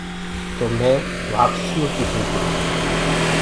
تو مي وآپسيٚ يو ڪيٚ سوچرو۔